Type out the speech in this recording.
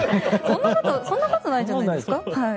そんなことないんじゃないですか？